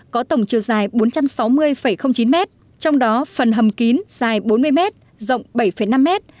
có tổng chiều dài bốn trăm sáu mươi chín m trong đó phần hầm kín dài bốn mươi mét rộng bảy năm mét